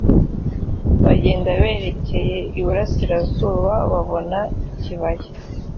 bagenda berekeye iburasirazuba babona ikibaya